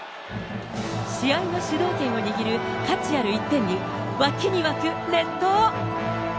試合の主導権を握る価値ある１点に、沸きに沸く列島。